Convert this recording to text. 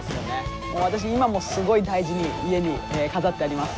私今もすごい大事に家に飾ってあります。